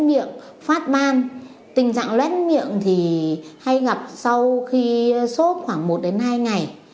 giai đoạn bốn là giai đoạn phát ban tình trạng lở lét miệng thì hay gặp sau khi sốt khoảng một đến hai ngày